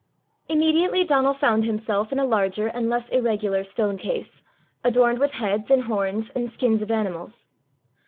Immediately Donal found himself in a larger and less irregular stone case, adorned with heads and horns and skins of animals.